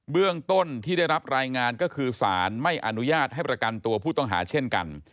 เรื่องต้นที่ได้รับรายงานก็คือสารไม่อนุญาตให้ประกันตัวผู้ต้องหาเช่นกัน